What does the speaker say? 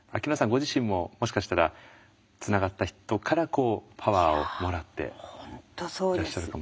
ご自身ももしかしたらつながった人からこうパワーをもらっていらっしゃるかも。